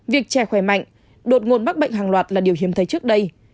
việc trẻ khỏe mạnh đột ngột mắc bệnh hàng loạt là điều hiếm thấy trước đây